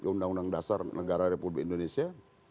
undang undang dasar negara republik indonesia